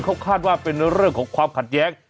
เขาคาดว่าเป็นเรื่องของความขัดแย้ง